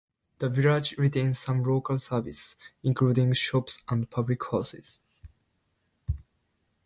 The village retains some local services, including shops and public houses.